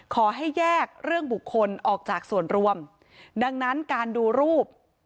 ขอให้แยกเรื่องบุคคลออกจากส่วนรวมดังนั้นการดูรูป